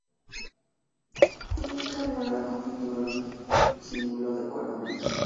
Túnica morada, con cinturón y cíngulo de cuerda amarilla.